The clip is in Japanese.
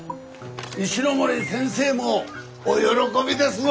石森先生もお喜びですよ！